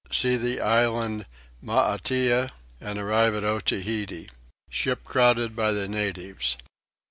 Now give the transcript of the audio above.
See the Island Maitea and arrive at Otaheite. Ship crowded by the Natives.